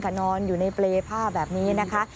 นอนอยู่ในเปรย์ผ้าแบบนี้นะคะ